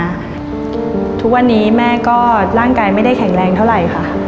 ทุกวันนี้แม่ก็ร่างกายไม่ได้แข็งแรงเท่าไหร่ค่ะ